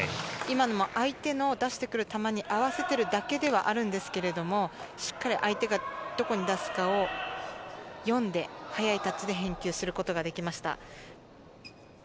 相手の出して来る球に合わせてなければであるんですけど、しっかり相手がどこに出すかを読んで、速いタッチで返球することができました。